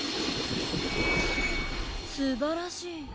すばらしい。